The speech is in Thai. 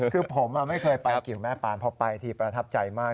คือผมไม่เคยไปกิวแม่ปานพอไปทีประทับใจมาก